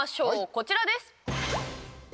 こちらです！